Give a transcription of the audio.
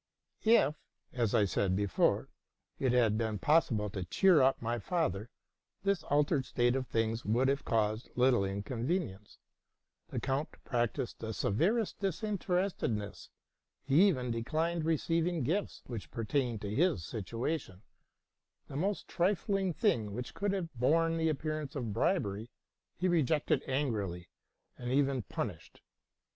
If, as I said before, it had been possible to cheer up my father, this altered state of things would have caused little inconvenience. The count practised the severest disinterest edness ; he even declined receiving gifts which pertained to his situation ; the most trifling thing which could have borne the appearance of bribery, he rejected angrily, and even punished.